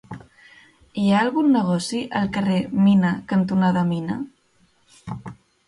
Hi ha algun negoci al carrer Mina cantonada Mina?